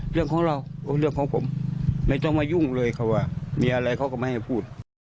เรื่องของเราเรื่องของผมไม่ต้องมายุ่งเลยเขาว่ามีอะไรเขาก็ไม่ให้พูด